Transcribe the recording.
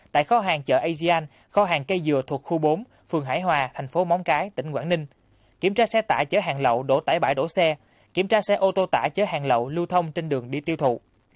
tại kho hàng chợ asian kho hàng cây dừa thuộc khu bốn phường hải hòa thành phố móng cái tỉnh quảng ninh kiểm tra xe tải chở hàng lậu đổ tải bãi đổ xe kiểm tra xe ô tô tải chở hàng lậu lưu thông trên đường đi tiêu thụ